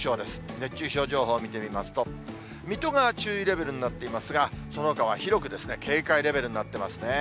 熱中症情報を見てみますと、水戸が注意レベルになっていますが、そのほかは広くですね、警戒レベルになってますね。